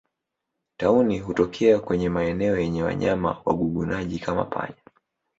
Tauni hutokea kwenye maeneo yenye wanyama wagugunaji kama panya